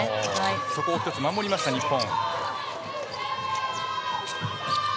そこを１つ守りました、日本。